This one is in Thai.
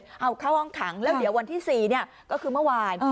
เข้าห้องครั้งแล้วเดี๋ยววันที่สี่เนี่ยก็คือเมื่อวาย